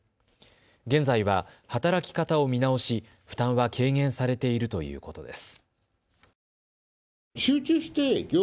現在は働き方を見直し、負担は軽減されているということです。